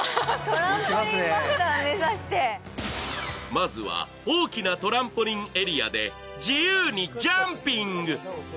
まずは大きなトランポリンエリアで自由にジャンピング。